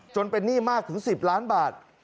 จนเป็นหนี้มากถึง๑๐ล้านบาท